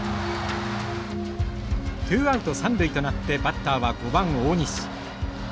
ツーアウト三塁となってバッターは５番大西。